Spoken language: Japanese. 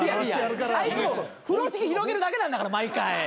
あいつ風呂敷広げるだけなんだから毎回。